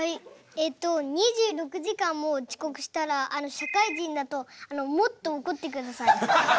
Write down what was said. えっと２６時間もちこくしたら社会人だともっとおこってください。